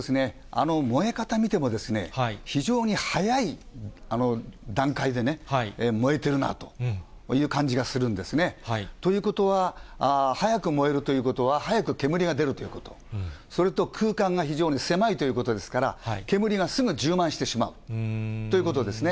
燃え方見ても、非常に早い段階でね、燃えてるなという感じがするんですね。ということは、早く燃えるということは、早く煙が出るということ、それと空間が非常に狭いということですから、煙がすぐ充満してしまうということですね。